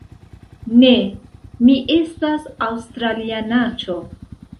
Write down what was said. Ne, mi estas aŭstralianaĉo